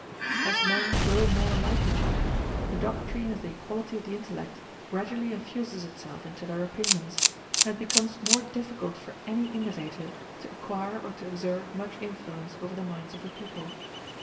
As men grow more like each other, the doctrine of the equality of the intellect gradually infuses itself into their opinions; and it becomes more difficult for any innovator to acquire or to exert much influence over the minds of a people.